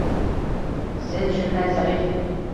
sen shunday zarif